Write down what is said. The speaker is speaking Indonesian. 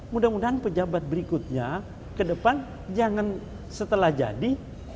mudah mudahan pejabat berikutnya ke depan jangan setelah jadi